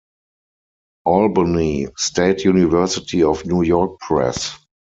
Albany: State University of New York Press.